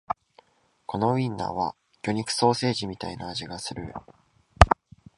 このウインナーは魚肉ソーセージみたいな味がする